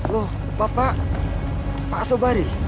lho bapak pak sobari